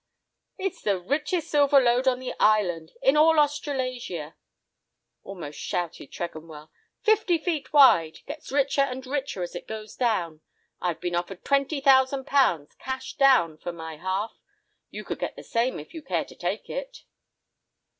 It's the richest silver lode in the island, in all Australasia—" almost shouted Tregonwell—"fifty feet wide; gets richer, and richer as it goes down. I've been offered twenty thousand pounds, cash down, for my half; you could get the same if you care to take it."